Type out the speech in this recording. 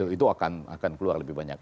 itu akan keluar lebih banyak